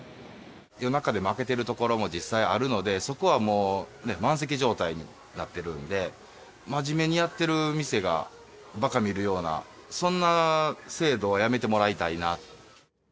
夜中でも開けてる所も実際あるので、そこはもう満席状態になってるんで、真面目にやってる店がばか見るような、そんな制度はやめてもらいたいな。